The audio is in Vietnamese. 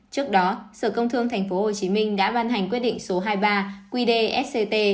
trước đó sở công thương tp hcm đã ban hành quyết định số hai mươi ba quy đề stt